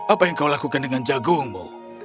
apa yang kau lakukan dengan jagungmu